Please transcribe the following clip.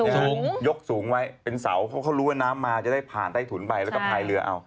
สูงยกสูงไว้เป็นเสาเพราะเขารู้ว่าน้ำมาจะได้ผ่านใต้ถุนไปแล้วก็พายเรือเอา